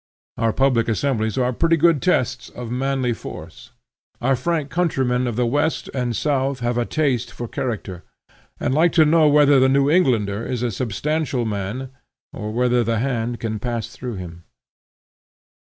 Our public assemblies are pretty good tests of manly force. Our frank countrymen of the west and south have a taste for character, and like to know whether the New Englander is a substantial man, or whether the hand can pass through him.